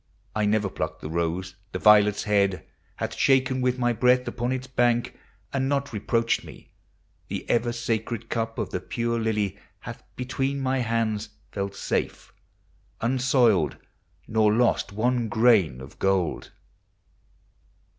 I never pluck the rose; the violet's head Hath shaken with my breath upon its bank And not reproacht me; the ever sacred cup Of the pure lily hath between my hands Felt safe, unsoiled, nor lost one grain of gold.